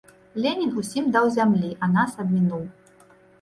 Ленін усім даў зямлі, а нас абмінуў.